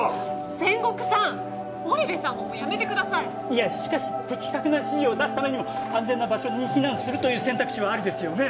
仙谷さん織辺さんもやめてくださいいやしかし的確な指示を出すためにも安全な場所に避難するという選択肢はありですよね？